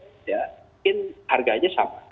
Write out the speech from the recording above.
mungkin harganya sama